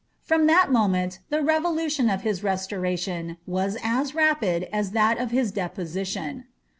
From that moment the rerolution of hia restoration waa as rapid as that of his depomtion.